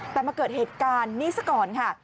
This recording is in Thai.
แต่มาเกิดเหตุการณ์นี้ซะก่อนค่ะ